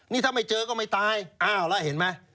นี่ถ้าไม่เจอก็ไม่ตายอ้าวแล้วเห็นไหม